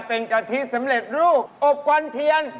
เป็นกะทิสำเร็จรูปอบควันเทียน